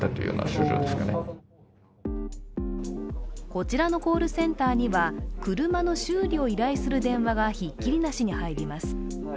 こちらのコールセンターには車の修理を依頼する電話がひっきりなしに入ります。